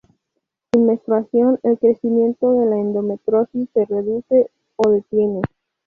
Sin menstruación, el crecimiento de la endometriosis se reduce o detiene.